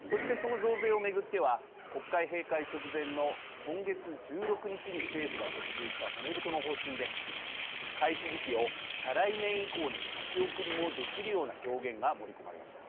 そして、その増税を巡っては国会閉会直前の今月１６日に政府が決定した骨太の方針で開始時期を再来年以降に先送りもできるような表現が盛り込まれました。